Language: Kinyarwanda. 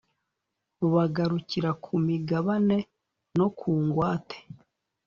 bugarukira ku migabane no ku ngwate